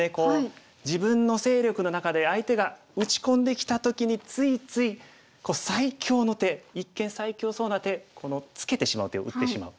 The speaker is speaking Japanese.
自分の勢力の中で相手が打ち込んできた時についつい最強の手一見最強そうな手このツケてしまう手を打ってしまう。